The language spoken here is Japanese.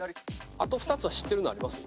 あと２つは知ってるのあります？